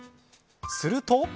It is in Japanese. すると。